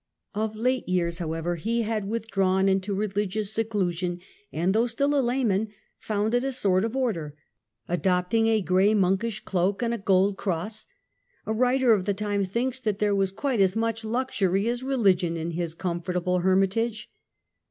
Of late years, EMPIRE AND PAPACY, 1414 1453 177 however, he had withdrawn into rehgious seckision, and, though still a layman, founded a sort of order, adopting a grey monkish cloak and a gold cross; a writer of the time thinks that there was quite as much luxury as religion in his comfortable hermitage.